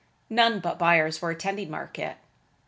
None but buyers were attending market.